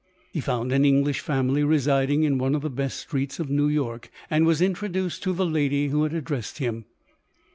He found an English family residing in one of the best streets of New York, and was introduced to the lady who had addressed him.